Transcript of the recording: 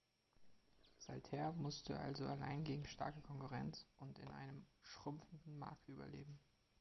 Saltair musste also allein gegen starke Konkurrenz und in einem schrumpfenden Markt überleben.